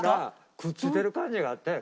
くっついてる感じがあったやろ？